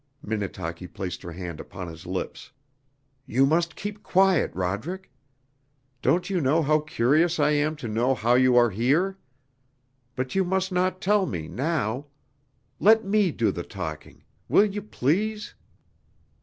Minnetaki placed her hand upon his lips. "You must keep quiet, Roderick. Don't you know how curious I am to know how you are here? But you must not tell me now. Let me do the talking. Will you? Please!"